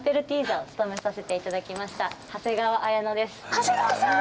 長谷川さん！